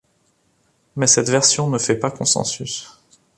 Mais cette version ne fait pas consensus.